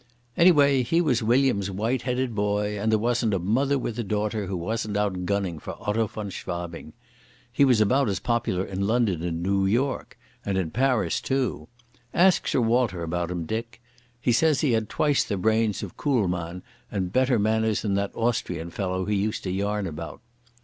Anyway, he was William's white headed boy, and there wasn't a mother with a daughter who wasn't out gunning for Otto von Schwabing. He was about as popular in London and Noo York—and in Paris, too. Ask Sir Walter about him, Dick. He says he had twice the brains of Kuhlmann, and better manners than the Austrian fellow he used to yarn about....